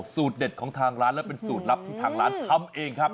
สูตรเด็ดของทางร้านและเป็นสูตรลับที่ทางร้านทำเองครับ